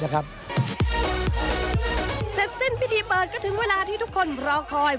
เสร็จสิ้นพิธีเปิดก็ถึงเวลาที่ทุกคนรอคอย